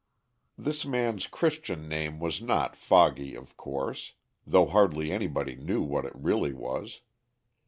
This man's Christian name was not "Foggy," of course, though hardly anybody knew what it really was.